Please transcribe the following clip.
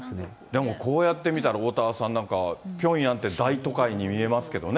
でもこうやって見たら、おおたわさん、なんかピョンヤン大都会に見えますけどね。